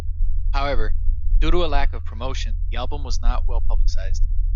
However, due to a lack of promotion, the album was not well-publicized.